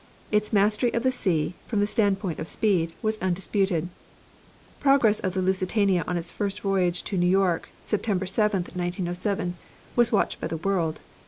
Its mastery of the sea, from the standpoint of speed, was undisputed. Progress of the Lusitania on its first voyage to New York, September 7, 1907, was watched by the world.